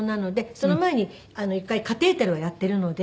その前に１回カテーテルをやってるので。